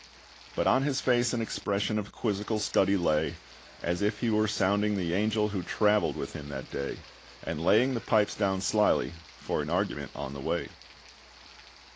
But on his face an expression Of quizzical study lay, As if he were sounding the angel Who traveled with him that day, And laying the pipes down slyly for an argument on the way.